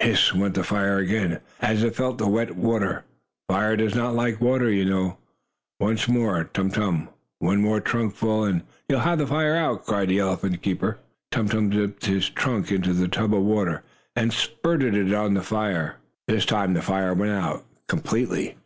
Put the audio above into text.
Hiss! went the fire again, as it felt the wet water. Fire does not like water, you know. "Once more, Tum Tum! One more trunk full, and you'll have the fire out!" cried the elephant's keeper. Again Tum Tum dipped his trunk into the tub of water, and spurted it on the fire. This time the fire went out completely.